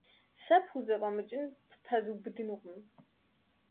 Сэ пхузэфӀэмыкӀын ппэзубыдынукъым.